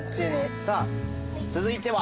さあ続いては？